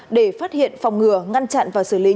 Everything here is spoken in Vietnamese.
để phát hiện phòng ngừa ngăn chặn